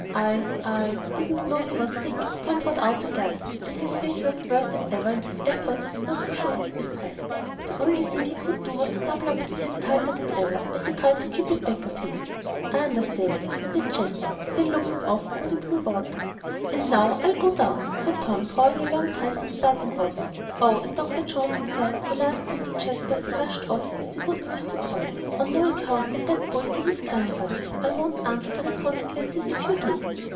"I I didn't know he was sick." Tom brought it out in gusts, and his face worked worse than ever in his efforts not to show his distress. The only thing he could do was to double up his hand tighter than ever, as he tried to keep it back of him. "I understand," nodded Jasper, still looking off over the blue water. "And now I'll go down," said Tom, drawing a long breath and starting off. Oh! and Dr. Jones had said the last thing to Jasper as he rushed off with the good news to Tom, "On no account let that boy see his Grandfather. I won't answer for the consequences if you do."